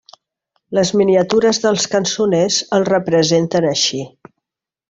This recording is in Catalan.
Les miniatures dels cançoners el representen així.